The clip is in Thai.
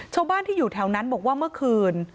ชาวบ้านที่อยู่แถวนั้นบอกว่าเมื่อคืน